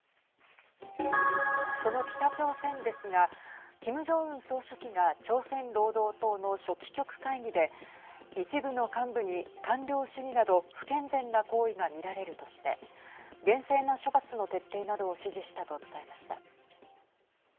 その北朝鮮ですがキム・ジョンウン総書記が朝鮮労働党の書記局会議で一部の幹部に官僚主義など不健全な行為が見られるとして厳正な処罰の徹底などを指示したと伝えました。